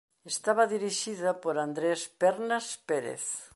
Estaba dirixida por Andrés Pernas Pérez.